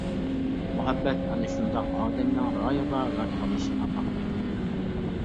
مۇھەببەت ئەنە شۇنداق ئادەمنىڭ رايىغا ۋە تاللىشىغا باقمايتتى.